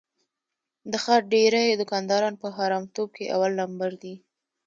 د ښار ډېری دوکانداران په حرامتوب کې اول لمبر دي.